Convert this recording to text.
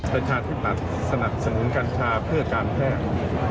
ประชาธิปัตย์สนับสนุนกัญชาเพื่อการแพทย์